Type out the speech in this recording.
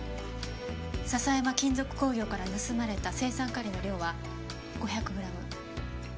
笹山金属工業から盗まれた青酸カリの量は５００グラム。